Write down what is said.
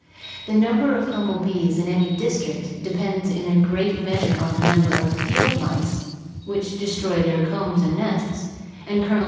The number of humble bees in any district depends in a great measure on the number of field mice, which destroy their combs and nests; and Col.